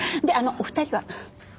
であのお二人は？